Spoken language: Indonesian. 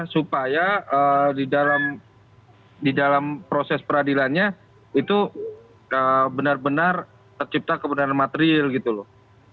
supaya di dalam proses peradilannya itu benar benar tercipta kebenaran material gitu loh